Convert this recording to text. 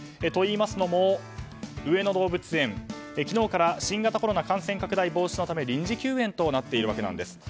といいますのも上野動物園昨日から新型コロナ感染拡大防止のため臨時休園となっているわけなんです。